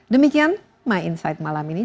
demikian my insight malam ini